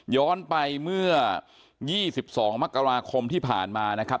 ย้อนไปเมื่อ๒๒มกราคมที่ผ่านมานะครับ